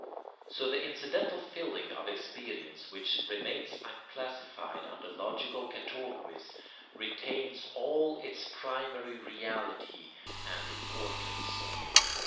So the incidental filling of experience which remains unclassified under logical categories retains all its primary reality and importance.